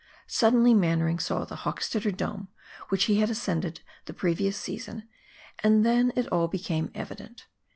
Suddenly Mannering saw the Hochstetter Dome, which he had ascended the previous season, and then it all became evident.